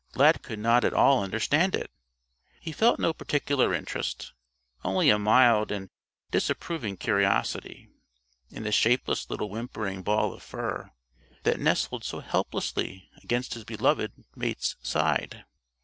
Lad could not at all understand it. He felt no particular interest only a mild and disapproving curiosity in the shapeless little whimpering ball of fur that nestled so helplessly against his beloved mate's side.